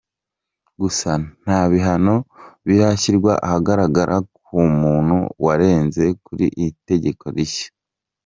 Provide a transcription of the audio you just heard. Gusa nta bihano birashyirwa ahagaragara ku muntu warenze kuri iri tegeko rishya.